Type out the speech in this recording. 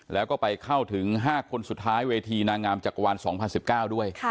แล้วก็ไปเข้าถึง๕คนสุดท้ายเวทีนางงามจักรวาล๒๐๑๙ด้วย